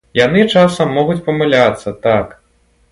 Яны часам могуць памыляцца, так.